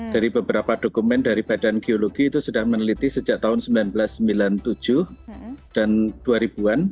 dari beberapa dokumen dari badan geologi itu sudah meneliti sejak tahun seribu sembilan ratus sembilan puluh tujuh dan dua ribu an